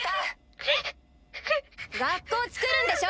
学校つくるんでしょ！